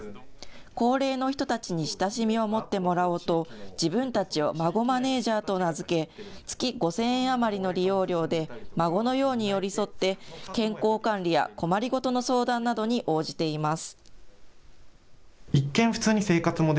高齢の人たちに親しみを持ってもらおうと自分たちをまごマネージャーと名付け月５０００円余りの利用料で孫のように寄り添って健康管理や困り事の相談などに応じています。